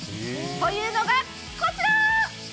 というのが、こちら！